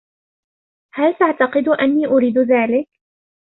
هل تعتقد أني أريد ذلك؟